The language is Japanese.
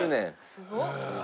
すごっ。